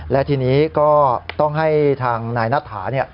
และทีนี้ก็ต้องให้ทางนายนัทถา